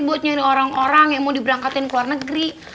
buat nyanyi orang orang yang mau diberangkatin ke luar negeri